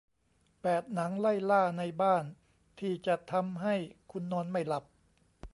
แปด หนังไล่ล่าในบ้านที่จะทำให้คุณนอนไม่หลับ